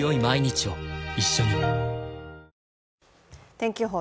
天気予報